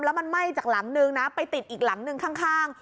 แล้วมันไหม้จากหลังนึงนะไปติดอีกหลังนึงข้าง